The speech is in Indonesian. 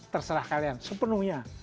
terserah kalian sepenuhnya